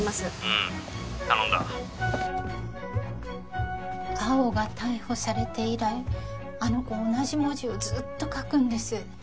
☎うん頼んだ蒼生が逮捕されて以来あの子同じ文字をずっと書くんです